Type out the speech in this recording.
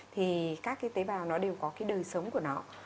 thì các cái tế bào nó đều có cái đời sống của nó